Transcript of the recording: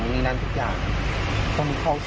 สิ่งนี้เกิดถึงที่สุดท้าย